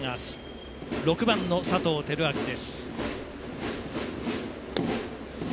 ６番の佐藤輝明です。